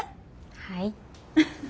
はい。